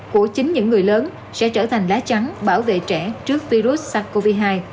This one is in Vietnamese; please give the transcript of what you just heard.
của chính những người lớn sẽ trở thành lá chắn bảo vệ trẻ trước virus sars cov hai